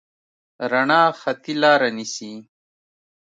رڼا خطي لاره نیسي.